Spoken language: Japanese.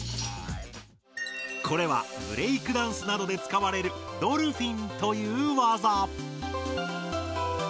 これはブレイクダンスなどで使われる「ドルフィン」というワザ。